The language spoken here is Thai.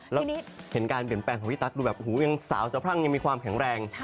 แล้วเห็นการเปลี่ยนแปลงของพี่ตั๊กดูแบบหูยังสาวสะพรั่งยังมีความแข็งแรง